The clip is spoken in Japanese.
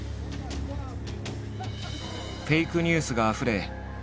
フェイクニュースがあふれ真実とう